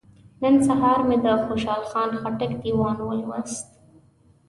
نن سهار مې د خوشحال خان خټک دیوان ولوست.